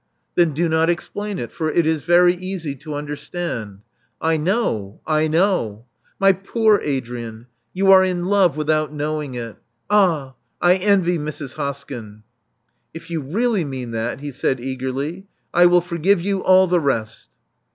Then do not explain it; for it is very easy to under stand. I know. I know. My poor Adrian: you are in love without knowing it. Ah! I envy Mrs. Hoskyn." If you really mean that," he said eagerly, "I will forgive you all the rest."